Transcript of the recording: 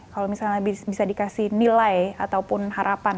kalau misalnya bisa dikasih nilai ataupun harapan